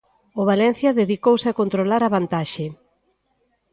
O Valencia dedicouse a controlar a vantaxe.